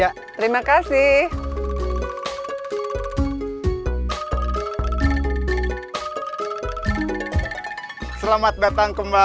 aku masih mana itu jual boba